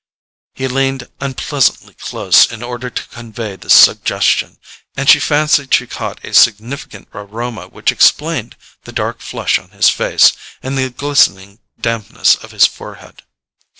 He leaned unpleasantly close in order to convey this suggestion, and she fancied she caught a significant aroma which explained the dark flush on his face and the glistening dampness of his forehead.